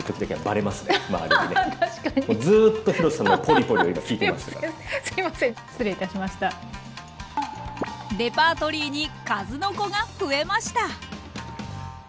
レパートリーに数の子が増えました！